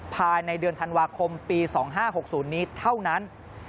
ภายในเดือนธันวาคมปี๒๕๖๐นี้เท่านั้น